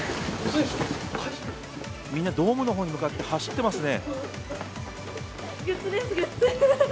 みんなドームの方に向かって走ってますね。